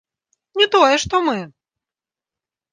Не тое што мы!